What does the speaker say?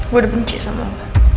gue udah benci sama lo